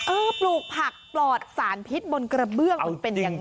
ปลูกผักปลอดสารพิษบนกระเบื้องมันเป็นยังไง